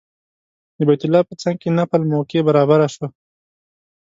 د بیت الله په څنګ کې نفل موقع برابره شوه.